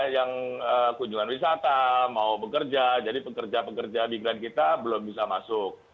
yang kunjungan wisata mau bekerja jadi pekerja pekerja migran kita belum bisa masuk